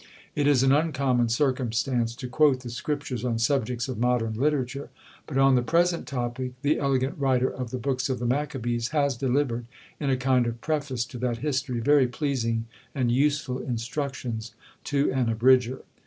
It is an uncommon circumstance to quote the Scriptures on subjects of modern literature! but on the present topic the elegant writer of the books of the Maccabees has delivered, in a kind of preface to that history, very pleasing and useful instructions to an Abridger.